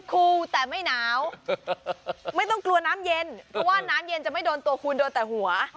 คูแต่ไม่หนาวไม่ต้องกลัวน้ำเย็นเพราะว่าน้ำเย็นจะไม่โดนตัวคูณโดนแต่หัว